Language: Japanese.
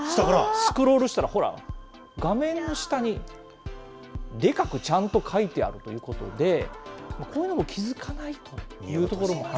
スクロールしたら、ほら、画面の下にでかくちゃんと書いてあるということで、こういうのを気付かないというところも。